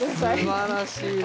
すばらしいです。